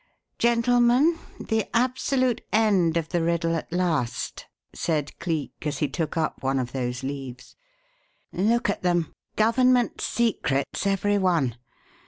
"Gentlemen, the absolute end of the riddle at last," said Cleek as he took up one of those leaves. "Look at them Government secrets every one.